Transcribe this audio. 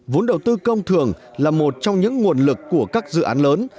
vốn đầu tư công thường là một trong những nguồn lực của các dự án lớn